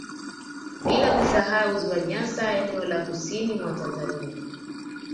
Bila kusahau ziwa Nyasa eneo la kusini mwa Tanzania